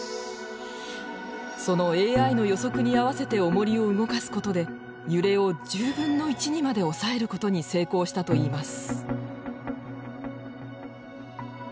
そのＡＩの予測に合わせておもりを動かすことで揺れを１０分の１にまで抑えることに成功したといいます。